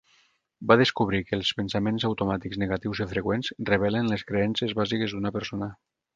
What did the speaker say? Va descobrir que els pensaments automàtics negatius i freqüents revelen les creences bàsiques d'una persona.